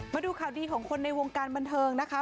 มาดูข่าวดีของคนในวงการบันเทิงนะคะ